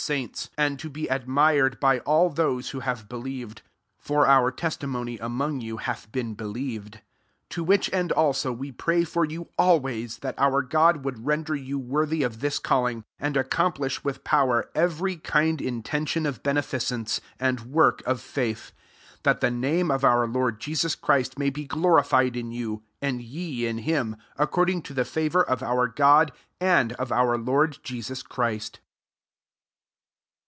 Ck be win gnat my petition for 70a. 2 THESSALONIANS IL S35 tnd, to be admired by all those prho have believed : (for our ^•dmony among you hath been i«Ueved.) 11 To which end also we »ffay for you always, that our 5od would render you worthy tf this callings and accomplish rith power^ every kind inten ioD of beneficence^ and work if faith: 12 that the name of mr LK>rd Jesus Christ may be i;lorified in you, and ye in limy according to the favour >f our God, and of our Lord Tesus Christ.